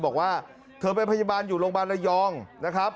บอกว่าเธอเป็นพยาบาลอยู่โรงพยาบาลระยองนะครับ